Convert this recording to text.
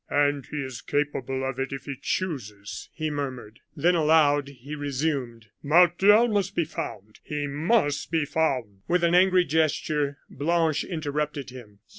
And he is capable of it if he chooses," he murmured. Then, aloud, he resumed: "Martial must be found he must be found " With an angry gesture, Blanche interrupted him.